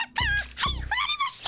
はいふられました！